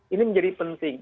ini menjadi penting